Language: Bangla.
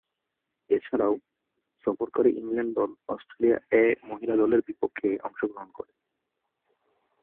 এছাড়াও সফরকারী ইংল্যান্ড দল অস্ট্রেলিয়া এ মহিলা দলের বিপক্ষে অংশগ্রহণ করে।